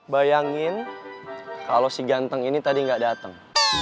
bayangin kalau si ganteng ini tadi gak dateng